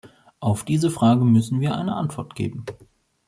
Auf diese Frage müssen wir eine Antwort geben!